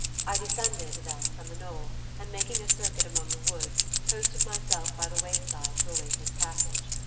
I descended, then, from the knoll, and making a circuit among the woods, posted myself by the wayside to await his passage.